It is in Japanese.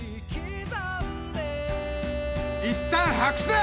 いったん白紙だ！